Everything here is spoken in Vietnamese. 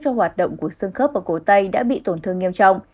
cho hoạt động của xương khớp và cổ tay đã bị tổn thương nghiêm trọng